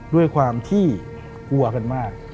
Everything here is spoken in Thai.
ด้วยความที่กลัวกันมาก